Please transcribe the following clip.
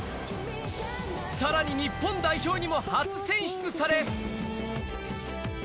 さらに日本代表にも初選出され。